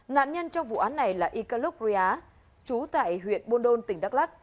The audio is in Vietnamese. nạn nhân trong vụ án này là ikaluk ria chú tại huyện bondol tỉnh đắk lắc